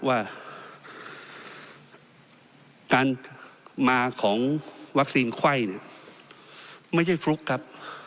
ว่าการมาของวัคซีนไข้เนี่ยไม่ใช่ฟลุกครับ